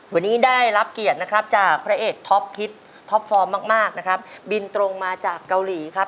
วันนี้ได้รับเกียรตินะครับจะพระเอกท็อบฮิตท็อบฟอ์มากนะครับ